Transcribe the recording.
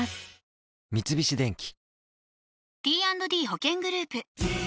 三菱電機